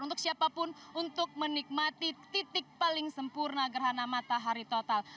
untuk siapapun untuk menikmati titik paling sempurna gerhana matahari total